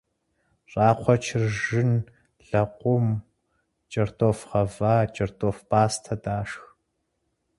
Щӏакхъуэ, чыржын, лэкъум, кӏэртӏоф гъэва, кӏэртӏоф пӏастэ дашх.